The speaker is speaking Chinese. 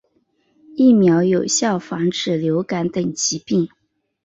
疫苗有效防止流感等疾病。